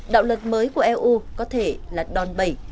đạo luật mới của eu có thể là đòn bẩy